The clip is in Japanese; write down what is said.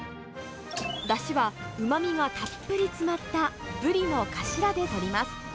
だしはうまみがたっぷり詰まったブリのかしらでとります。